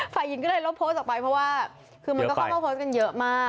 ฝ่ายหญิงก็เลยลบโพสต์ออกไปเพราะว่าคือมันก็เข้ามาโพสต์กันเยอะมาก